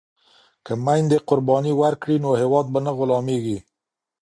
که میندې قرباني ورکړي نو هیواد به نه غلامیږي.